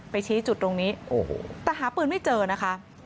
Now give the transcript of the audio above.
ชี้จุดตรงนี้แต่หาปืนไม่เจอนะคะ